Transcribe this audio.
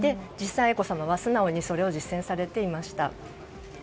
実際、愛子さまは素直にそれを実践されていました。